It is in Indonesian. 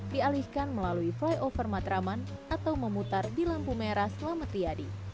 dialihkan melalui flyover matraman atau memutar di lampu merah selama triadi